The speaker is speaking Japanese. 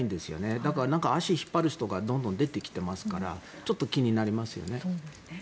だから、足を引っ張る人がどんどん出てきてますからちょっと気になりますよね。